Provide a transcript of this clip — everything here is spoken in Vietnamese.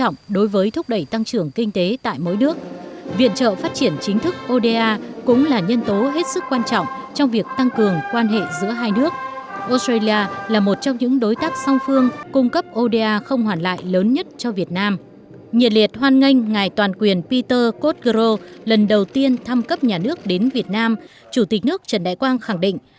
nhiệt liệt hoan nghênh ngày toàn quyền peter cotterill lần đầu tiên thăm cấp nhà nước đến việt nam chủ tịch nước trần đại quang khẳng định